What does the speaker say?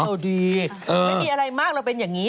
ดีไม่มีอะไรมากเราเป็นอย่างนี้